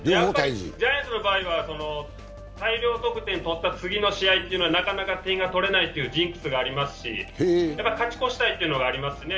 ジャイアンツの場合は大量得点を取った次の試合はなかなか点が取れないというジンクスがありますしやはり勝ち越したいというのがありますね。